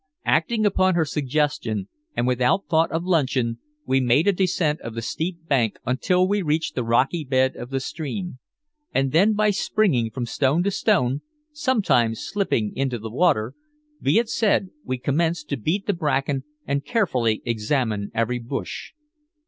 Acting upon her suggestion and without thought of luncheon, we made a descent of the steep bank until we reached the rocky bed of the stream, and then by springing from stone to stone sometimes slipping into the water, be it said we commenced to beat the bracken and carefully examine every bush.